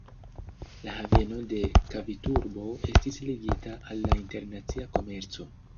La haveno de Kaviturbo estis ligita al la internacia komerco.